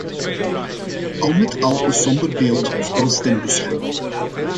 Al met al een somber beeld voor een stembusgang.